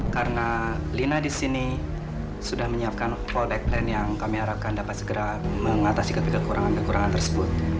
karena lina disini sudah menyiapkan fallback plan yang kami harapkan dapat segera mengatasi kekurangan kekurangan tersebut